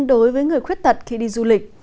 đối với người khuyết tật khi đi du lịch